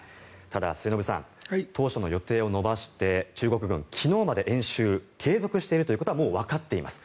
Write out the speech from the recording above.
ただ、末延さん当初の予定を延ばして中国軍、昨日まで演習を継続しているということはもうわかっています。